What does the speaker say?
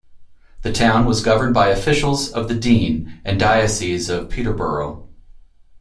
The town was governed by officials of the dean and diocese of Peterborough.